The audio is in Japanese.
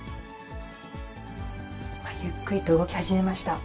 ゆっくりと動き始めました。